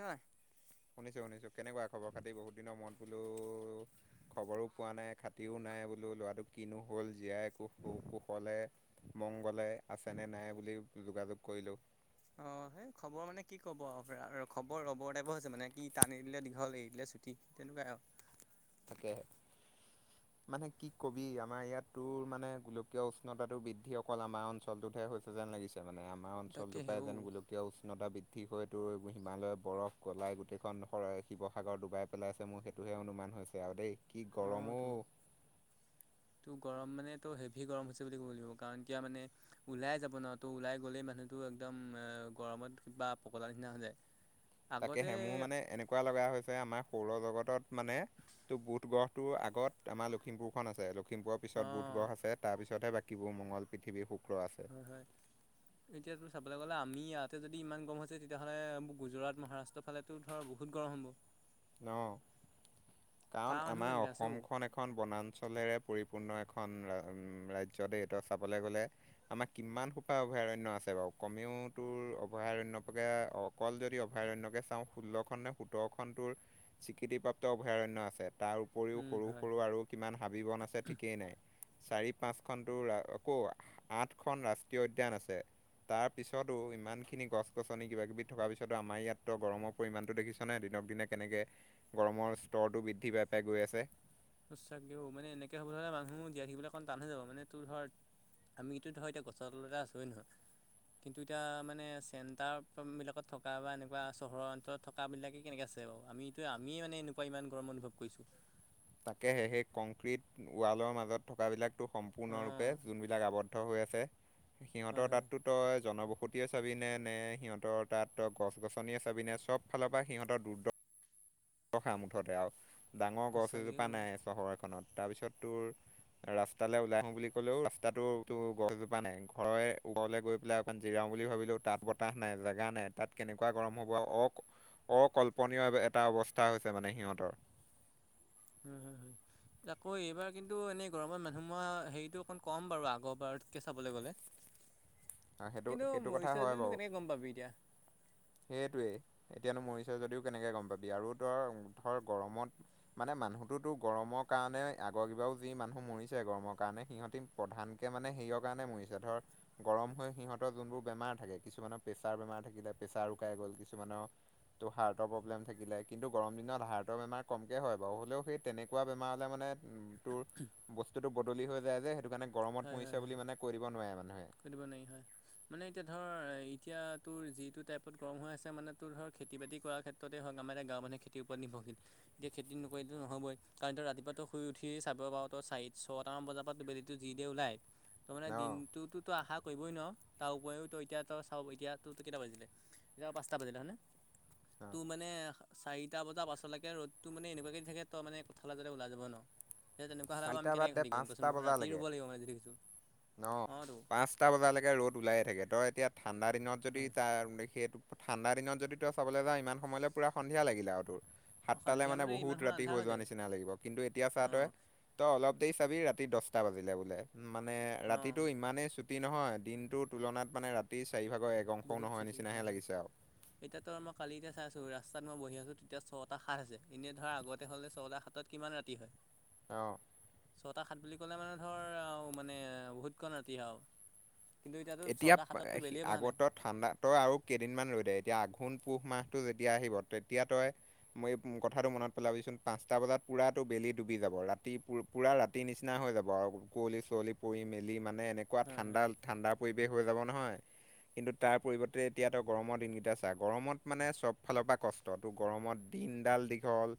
অ। শুনিছোঁ শুনিছোঁ কেনেকুৱা খবৰ খাতি? বহুত দিনৰ মূৰত? বোলো খবৰো পোৱা নাই, খতিও নাই বোলো ল'ৰাটো কিনো হ'ল জীয়াই কু- কুশলে মংগলে আছেনে নাই বুলি যোগাযোগ কৰিলোঁ। অ' সেই খবৰ মানে কি ক'ব আৰু, খবৰ ৰবৰ টাইপৰ হৈছে মানে কি টানি দিলে দীঘল এৰি দিলে চুটি। ঠিক তেনেকুৱাই আৰু। তাকে। মানে কি কবি আমাৰ ইয়াত তোৰ মানে, গোলকীয় উষ্ণতাটো বৃদ্ধি অকল আমাৰ অঞ্চলটোতহে হৈছে। যেন লাগিছে মানে, আমাৰ তাকে অঞ্চলটোৰ পৰা হেও যেন গোলক উষ্ণতা বৃদ্ধি হয়তটো হিমালয়ে বৰফ গলাই গোটেইখন শিৱসাগৰ ডুবাই পেলাই আছে মোৰ সেইটোহে অনুমান হৈছে আৰু দেই, কি গৰম অ'। টো গৰম মানে এইটো হেভি গৰম হৈছে বুলি ক'ব লাগিব, কাৰণ কিয় মানে ওলাই যাব নোৱাৰো তো ওলাই গ'লেই মানুহটো একদম, গৰমত কিবা পগলাৰ নিচিনা হৈ যায়। তাকে আগতে হে মুৰ মানে এনেকুৱা লগা হৈছে, আমাৰ সৌৰ জগতত মানে তো বুধ গ্ৰহটোৰ আগত আমাৰ লখিমপুৰখন আছে, লখিমপুৰত অ পিছত বুধগ্ৰহ আছে, তাৰপিছতহে বাকী বো মঙল, পথিৱী, শুক্ৰ আছে। হয়', হয়',। এতিয়া তো চাবলৈ গ'লে আমি ইয়াতে যদি ইমান গৰম হৈছে, তেতিয়া হ'লে মোৰ গুজৰাট, মহাৰাষ্ট্ৰৰ ফালে ত' ধৰ বহুত গৰম হ'ব। অ' কাৰণ তাৰ মানুহ আমাৰ কেনেকৈ আছে অ অসমখন এখন বনাঞ্চলেৰে পৰিপূৰ্ণ এখন উম ৰাজ্য দেই, তই চাবলে গ'লে আমাৰ কিমান সোপা অভয়াৰণ্য আছে বাৰু, কমেও তোৰ অভয়াৰণ্য প্ৰকেও অকল যদি অভয়াৰণ্যকে চাওঁ, ষোল্লখন নে সোতৰখন টোৰ স্বীকৃতিপ্ৰাপ্ত অভয়াৰণ্য আছে, তাৰ উপৰিও উম', সৰু হয়'। সৰু আৰু কিমান হাবি বন আছে ঠিকেই নাই, চাৰি পাঁচখনতো আক আঠ খন ৰাষ্ট্ৰীয় উদ্যান আছে। তাৰ পিছতো ইমানখিনি গছ গছনি কিবা কিবি থকাৰ পিছতো, আমাৰ ইয়াতো গৰমৰ পৰিমাণটো দেখিছ নে দিনক দিনে তেনেকে গৰমৰ স্তৰটো বৃদ্ধি পাই পাই গৈ আছে। সুচাগে অ' মানে এনেকে হ'ব হ'লে মানুহ জীয়াই থিবলৈ অকণ তানে হৈ যাব, মানে তোৰ ধৰ আমি এইটো ধৰা এতিয়া গছৰ তলতে আছোঁ হয় নে নহয়? কিন্তু এতিয়া মানে, চেণ্টাৰবিলাকত থকা বা এনেকুৱা চহৰৰ অঞ্চত থকা বিলাকে কেনেকে আছে বাৰু, আমিতো আমিয়ে মানে এনেকুৱা ইমান গৰম অনুভৱ কৰিছোঁ। তাকেহে সেই কংক্ৰিট, ৱালৰ মাজত থকা বিলাকো সম্পূৰ্ণৰূপে অঁ যোনবি জেগা আৱদ্ধ হৈ আছে, হয় সিহঁতৰ হয় তাঁতটো তই জনবসতিয়ে চাবিনে নে, নে সিহঁতৰ তাত গছ-গছনিয়ে চাবিনে চব ফালৰ পৰা সিহঁতৰ দুৰ্দ ৰখা মুঠতে, আৰু ডাঙৰ গছ সঁচাকৈ এজোপা অ' নাই চহৰখনত তাৰপিছত তোৰ ৰাস্তালে ওলাই আহো বুলি কলেও ৰাস্তাটো গছজোপা নাই, ঘৰৰে ঘৰলে গৈ পেলাই মান জিৰাও বুলি ভাবিলো তাত বতাহ নাই জেগা নাই, তাত কেনেকুৱা গৰম হ'ব অ' অকল্পনীয় এটা অৱস্থা হৈছে মানে সিহঁতৰ। হুম', হুম',। আকৌ এইবাৰ কিন্তু, এনেই গৰমৰ মানুহ মৰা হেৰিটো অকণ কম বাৰু আগৰ বাৰতকৈ চাবলৈ গ'লে। অ', সেইটো- কিন্তু সেইটো কথা মৰিছে হয় যদিনো বাৰু, কেনেকৈ গম পাবি এতিয়া সেইটোৱেই। এতিয়ানো মৰিছে যদিও কেনেকে গম পাবি, আৰু তোৰ ধৰ গৰমত মানে মানুহটোতো গৰমৰ কাৰণে আগৰ কিবাও যি মানুহ মৰিছে গৰমৰ কাৰণে, সিহঁতে প্ৰধানকে মানে সেইয়ৰ কাৰণে মৰিছে ধৰ গৰম- হয় সিহঁতৰ যোনবোৰ বেমাৰ থাকে কিছুমানৰ প্ৰেছাৰ বেমাৰ থাকিলে প্ৰেছাৰ উুকাই গ'ল কিছুমানৰ- ত' হাৰ্টৰ প্ৰব্লেম থাকিলে কিন্তু গৰম দিনত হাৰ্টৰ বেমাৰ কমকে হয় বাৰু, হ'লেও সেই- তেনেকুৱা বেমাৰ হ'লে মানে উ তোৰ বস্তুতটো বদলি হৈ যায় যে সেইটো কাৰণে- গৰমত হয় হয় মৰিছে হয় বুলি মানে কৈ দিব নোৱাৰে মানুহে। [unintelligible] মানে এতিয়া ধৰ এতিয়া তোৰ যিটো টাইপত গৰম হৈ আছে মানে তোৰ ধৰ খেতি বাতি কৰা ক্ষেত- ত্ৰতে হক আমাৰ এতিয়া গাঁওৰ মানুহে খেতিৰ ওপৰত নিৰ্ভৰশীল এতিয়া খেতি নকৰিলেটো নহবই। কাৰণটো ৰাতিপুৱাটো শুই উঠি চাব পৰা তই চাৰি ছটামান বজাৰ পৰাত বেলিটো যি দি ওলাই, তো মানে ন দিনটোতো আশা কৰিবই নোৱাৰোঁ। তাৰ উপৰিও তই এতিয়া তই চাওঁ, এতিয়া তই কেইটা বাজিলে? এতিয়া পাঁচটা বাজিলে হয়নে? অ টো মানে চাৰিটা বজাৰ পাছলৈকে ৰ'দটো মানে এনেকুৱাকে থাকে ত মানে পথালে যাতে ওলাই যাব নোৱাৰোঁ। এ তেনেকুৱা হ'লে আৰু চাৰিটা আমি বাদ কেনেকৈ দে খেতি কৰিম পাঁচটা কছোন বাৰু? ৰাতি বজালৈকে ৰুব লাগিব মানে যি দেখিছোঁ। অঁ তো। টা বজালৈকে ৰ'দ ওলায়ে থাকে ত এতিয়া ঠাণ্ডা দিনত যদি হয়। তাৰ সেইটো- ঠাণ্ডা দিনত যদি তই চাবলৈ যাও ইমান সময়লৈ পুৰা সন্ধিয়া লাগিলে আৰু তোৰ। সাতটালে সন্ধিয়া মানে ইমান বহুত সময় ৰাতি আন্ধাৰ হৈ যোৱা যায় নিচিনা লাগিব কিন্তু এতিয়া চাহ অ', তই- তই অলপ দেৰি চাবি ৰাতি দছটা বাজিলে বোলে মানে ৰাতিটো অ', ইমানেই চু- টি নহয় দিনটোৰ তুলনাত মানে ৰাতি চাৰিভাগৰ এক অংশও নহয় নিচিনাহে লাগিছে আৰু। এতিয়াটো মই কালি এতিয়া চাইছোঁ ৰাস্তাত মই বহি আছোঁ তেতিয়া ছটা সাত হৈছে এনেই ধৰা আগতে হ'লে ছটা সাতত- কিমান ৰাতি হয়? অহ। ছটা সাত বুলি ক'লে মানে ধৰ আৰু মানে বহুতকণ ৰাতি হয় আও। কিন্তু এতিয়াটো এতিয়া ছটা প- সাততটো সি- বেলিয়ে বহা আগত নাই। তই ঠাণ্ডা তই আৰু কেইদিনমান ৰৈ দে এতিয়া আঘোণ পুহ মাহটো যেতিয়া আহিব তেতিয়া তই- মই এই মোৰ কথাটো মনত পেলাবিচোন পাঁচটা বজাত পুৰাটো বেলি ডুবি যাব ৰাতি পুৰ- পূৰা ৰাতি নিচিনা হৈ যাব আৰু কুঁৱলী চুঁৱলি পৰি মেলি মানে এনেকুৱা হয়, হয়, ঠাণ্ডা ঠাণ্ডা- পৰিৱেশ হৈ যাব নহয়, কিন্তু তাৰ পৰিৱৰ্তে এতিয়াতো গৰমৰ দিনকেইটা চা গৰমত মানে চব ফালৰ পৰা কষ্ট- ত তো গৰমত দিনডাল দীঘল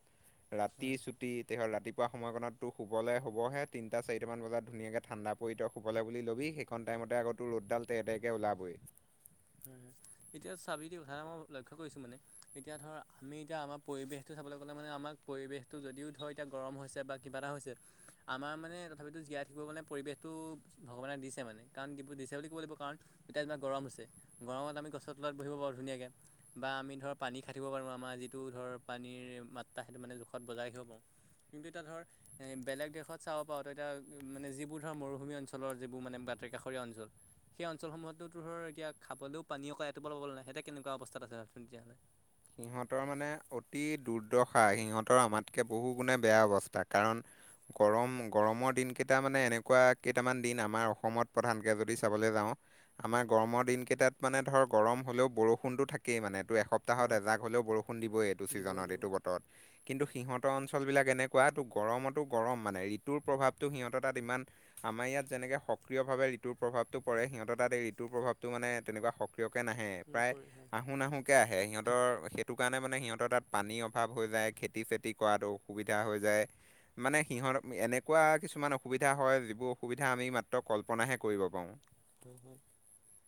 ৰাতি হয়। চু- টি কি হল ৰাতিপুৱা সময়কনতো শুবলৈ হ'বহে তিনটা চাৰিটামান বজাত ধুনীয়াকৈ ঠাণ্ডা পৰিতক- শুবলে বুলি ল'বি সেইকন টাইমতে আকৌ তোৰ ৰ'দডাল তেতে কে ওলাবই। হোম এতিয়া চাবি দেই সা মই লক্ষ্য কৰিছো মানে, এতিয়া ধৰ আমি এতিয়া আমাৰ পৰিৱেশটো চাবলৈ গ'লে মানে আমাৰ পৰিৱেশটো যদিও ধৰ এতিয়া গৰম হৈছে বা- কিবা এটা হৈছে, আমাৰ মানে তথাপিতো জীয়াই থাকিব গ'লে পৰিৱেশটো ভগৱানে দিছে মানে কাৰণ যিবোৰ দিছে বুলি ক'ব লাগিব কাৰণ- এতিয়া যেনিবা গৰম আছে গৰমত আমি গছৰ তলত বহিব পাৰোঁ ধুনীয়াকে। বা আমি ধৰ পানী খাই থাকিব পাৰোঁ আমাৰ যিটো ধৰ পানীৰ মাত্ৰা সেইটো মানে জোখত বজাই ৰাখিব পাৰোঁ। কিন্তু এতিয়া ধৰ- এ বেলেগ দেশত চাব পাৰো। এতিয়া মানে যিবোৰ ধৰ মৰুভূমি অঞ্চলৰ যিবোৰ মানে বাতৰ কাষৰীয়া অঞ্চল। সেই অঞ্চলসমূহতো ধৰ এতিয়া খাবলৈও পানী অক এটোপাল পাবলৈ নাই সেতে কেনেকুৱা অৱস্থাত আছে ভাব চোন তেতিয়াহ'লে। সিহঁতৰ মানে অতি দুৰ্দশা সিহঁতৰ আমাতকে বহু গুণে বেয়া অৱস্থা, কাৰণ- গৰম গৰমৰ দিন কেইটা মানে এনেকুৱা কেইটামান দিন আমাৰ অসমত প্ৰধানকে যদি চাবলৈ যাওঁ। আমাৰ গৰমৰ দিন কেইটাত মানে ধৰ গৰম হলেও বৰষুণতো থাকেই মানে তোৰ এসপ- তাহত হয় এজাক হলেও বৰষুণ দিবই এইটো দিবই ছিজনত দিবই এইটো বতৰত। কিন্তু সিহঁতৰ অঞ্চলবিলাক এনেকুৱা তো গৰমতো গৰম মানে ঋতুৰ প্ৰভাৱটো সিহঁতৰ তাত ইমান- আমাৰ ইয়াত যেনেকে সক্ৰিয় ভাৱে ঋতুৰ প্ৰভাৱটো পৰে সিহঁতে তাত এই ঋতুৰ প্ৰভাৱটো মানে তেনেকুৱা সক- ক্ৰিয়কে নাহে, প্ৰায় নপৰে হয় আহো নাহোকে আহে। সিহঁত- তৰ সেইটো কাৰণে মানে সিহঁতৰ তাত পানীৰ অভাৱ হৈ যায় খেতি চেতি কৰাত অসুবিধা হৈ যায়। মানে সিহঁত এনেকুৱা কিছুমান অসুবিধা হয় যিবোৰ অসুবিধা আমি মাত্ৰ কল্পনাহে কৰিব পাৰোঁ। হয় হয়।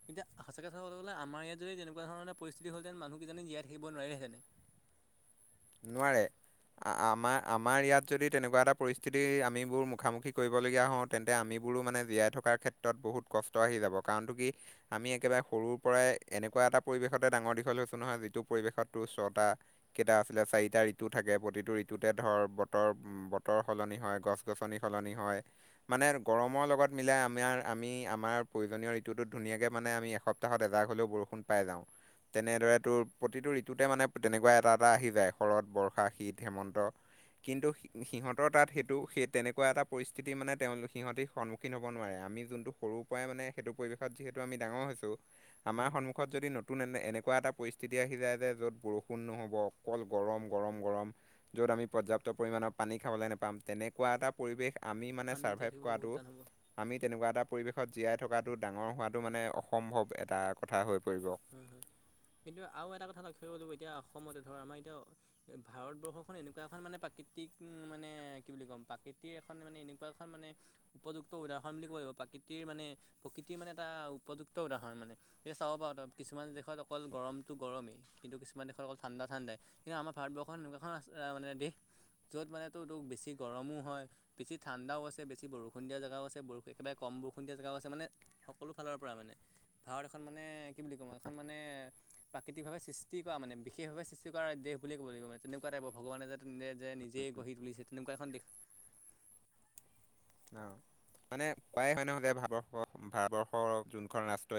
এতিয়া সচা কথা ক'বলৈ গ'লে ইয়াত যদি তেনেকুৱাধৰণে পৰিস্থিতি হ'লহেতেন মানুহ কিজানি জীয়াই থাকিব নোৱাৰিলেহেতেন। নোৱাৰে। আ আমাৰ আমাৰ ইয়াত যদি তেনেকুৱা এটা পৰিস্থিতি আমিবোৰ মুখামুখি কৰিবলগীয়া হওঁত- তেন্তে আমিবোৰো মানে জীয়াই থকাৰ ক্ষেত্ৰত বহুত কষ্ট আহি যাব কাৰণটো কি- আমি একেবাৰে সৰুৰ পৰাই এনেকুৱা এটা পৰিৱেশতে ডাঙৰ দীঘল হৈছো নহয় যিটো পৰিৱেশত তোৰ ছটা- কেইটা আছিলে? চাৰিটা ঋতু থাকে প্ৰতিটো ঋতুতে ধৰ বতৰ- বতৰ সলনি হয় গছ গছনি সলনি হয়। মানে গৰমৰ লগত মিলাই আমাৰ আমি আমাৰ প্ৰয়োজনীয় ঋতুটোত ধুনীয়াকৈ মানে আমি এসপ- সপ্তাহত এজাগ হলেও বৰষুণ পাই যাওঁ তেনেদৰে তোৰ প্ৰতিটো ঋতুতে মানে তেনেকুৱা এটা এটা আহি- যায় শৰৎ, বৰ্ষা, শীত, হেমন্ত কিন্তু- সিহঁতৰ তাত সেইটো সেই তেনেকুৱা এটা পৰিস্থিতি মানে তেওঁলোক সিহঁতি সন্মুখীন হ'ব নোৱাৰে আমি যোনটো সৰু- পৰাই মানে সেইটো পৰিৱেশত যিহেতু আমি ডাঙৰ হৈছো- আমাৰ হয় হয়। সন্মুখত যদি নতুন এনে এনেকুৱা এটা পৰিস্থিতি আহি যায় যে য'ত বৰষুণ নহ'ব- অকল গৰম গৰম গৰম য'ত আমি পৰ্যাপ্ত পৰিমাণৰ পানী খাবলে নেপাম তেনেক- কোৱা এটা পৰিৱেশ আমি মানে জীয়াই চাৰ্ভাইভ থাকিবলৈ বহুত কৰাটো- টান হ'ব। আমি তেনেকুৱা এটা পৰিৱেশত জীয়াই থকাটো ডাঙৰ হোৱাটো মানে অসম্ভৱ এটা কথা হৈ পৰিব। কিন্তু আৰু এটা কথা লক্ষ্য কৰিব লাগিব এতিয়া অসমতে ধৰ আমাৰ এতিয়া- ভাৰতবৰ্ষখন এনেকুৱা এখন মানে প্ৰাকৃতিক মানে কি বুলি ক'ম প্ৰাকৃতিৰ এখন মানে এনেকুৱা এখন মানে- উপযুক্ত উদাহৰণ বুলি ক'ব লাগিব প্ৰাকৃতিৰ মানে প্ৰকৃতিৰ মানে এটা উপযুক্ত উদাহৰণ মানে। এই চাব পাৰু তয় কিছুমান দিশত অকল গৰমটো গৰমেই। কিন্তু, কিছুমান দেশৰ অকল ঠাণ্ডা ঠাণ্ডাই। কিন্তু আমাৰ ভাৰতবৰ্ষ খন এনেকুৱাখন মানে দেশ- য'ত মানেতো টো বেছি গৰমো হয়- বেছি ঠাণ্ডাও আছে বেছি বৰষূণ দিয়া জেগা আছে ব একবাৰে কম বৰষুণ দিয়া জেগাও আছে মানে- সকলো ফালৰ পৰা মানে। ভাৰত এখন মানে কি বুলি কওঁ এখন মানে- প্ৰাকৃতিকভাৱে সৃষ্টি কৰা মানে বিশেষভাৱে সৃষ্টি কৰা দেশ বুলি ক'ব লাগিব মানে তেনেকুৱা টাইপ ভগৱানে যে- নে যে নিজেই গঢ়ি তুলিছে তেনেকুৱা এখন দেশ। অঁ' মানে প্ৰায় হয়ন এতিয়া ভাৰতবৰ্ষ ভাৰতবৰষ যোনখন ৰাষ্টয়-